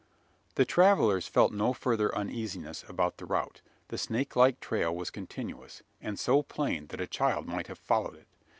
The travellers felt no further uneasiness about the route. The snake like trail was continuous; and so plain that a child might have followed it.